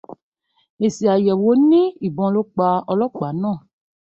Èsì àyẹ̀wò ní ìbọn ló pa ọlọ́pàá náà.